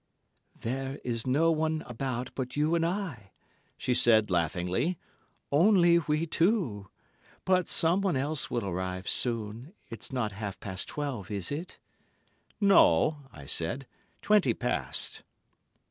"There is no one about but you and I," she said laughingly. "Only we two; but someone else will arrive soon. It's not half past twelve, is it?" "No," I said; "twenty past."